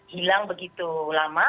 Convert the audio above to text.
hilang begitu lama